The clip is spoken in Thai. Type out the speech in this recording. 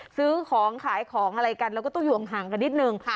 ซื้อของขายของอะไรกันแล้วก็ต้องอยู่ห่างกันนิดนึง